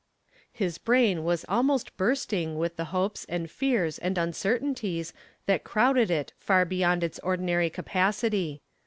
His brain was almost bursting with the hopes and fears and uncertainties that crowded it far beyond its ordinary capacity.